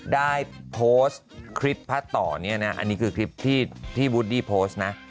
ได้โพสต์คลิปพระต่อเนี่ยนะอันนี้คือคลิปที่วูดดี้โพสต์นะ